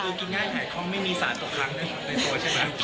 คือกินง่ายถ่ายคล่องไม่มีสารตกครั้งในตัวใช่ไหม